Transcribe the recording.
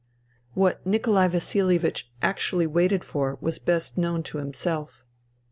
... What Nikolai Vasilievich actually waited for was best known to himself.